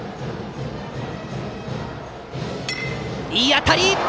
いい当たり！